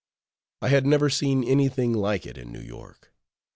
I had never seen any thing like it in New York.